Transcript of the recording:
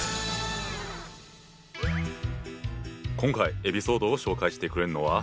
今回エピソードを紹介してくれるのは。